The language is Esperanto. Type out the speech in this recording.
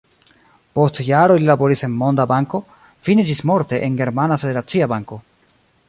Post jaroj li laboris en Monda Banko, fine ĝismorte en Germana Federacia Banko.